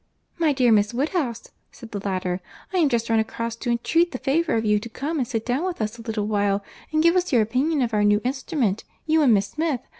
"My dear Miss Woodhouse," said the latter, "I am just run across to entreat the favour of you to come and sit down with us a little while, and give us your opinion of our new instrument; you and Miss Smith.